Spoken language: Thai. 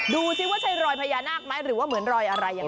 ดูซิว่าใช้รอยพญานาคมั้ยหรือว่าเหมือนรอยอะไร